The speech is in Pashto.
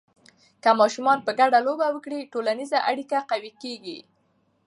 که ماشومان په ګډه لوبې وکړي، ټولنیزه اړیکه قوي کېږي.